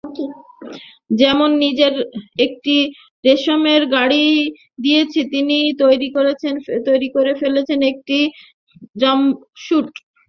যেমন নিজের একটি রেশমের শাড়ি দিয়েই তিনি তৈরি করে ফেলেছেন একটি জাম্পস্যুট।